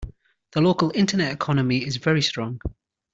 The local internet economy is very strong.